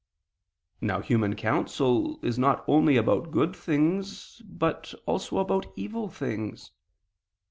Now human counsel is not only about good things but also about evil things.